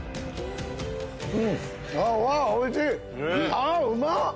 あうまっ！